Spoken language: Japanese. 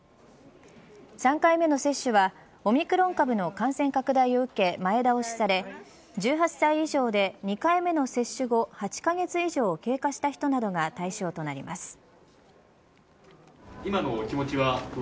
３回目の接種はオミクロン株の感染拡大を受け前倒しされ１８歳以上で２回目の接種後８カ月以上経過した人などが対象となります。